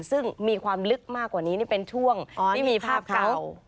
ซึ่งมีความลึกมากกว่านี้นี่เป็นช่วงที่มีภาพเก่า